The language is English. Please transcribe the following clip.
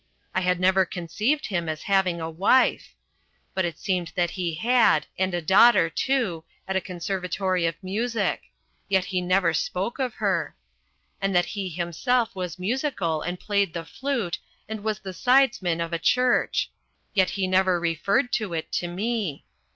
I had never conceived him as having a wife. But it seemed that he had, and a daughter, too, at a conservatory of music yet he never spoke of her and that he himself was musical and played the flute, and was the sidesman of a church yet he never referred to it to me.